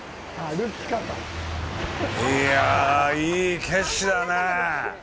いやあ、いい景色だねえ。